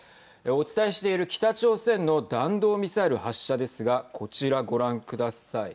お伝えしている北朝鮮の弾道ミサイル発射ですがこちらご覧ください。